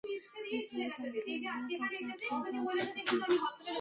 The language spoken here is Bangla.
জানি, পান্ডাটাকে আঁটকে রাখা কতটা কঠিন।